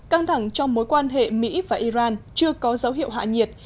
căng thẳng trong mối quan hệ mỹ và iran chưa có dấu hiệu hạ nhiệt